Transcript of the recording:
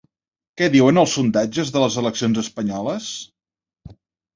Què diuen els sondatges de les eleccions espanyoles?